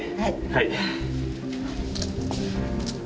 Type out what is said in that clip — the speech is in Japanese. はい。